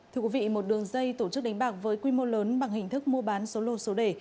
thưa quý vị một đường dây tổ chức đánh bạc với quy mô lớn bằng hình thức mua bán số lô số đề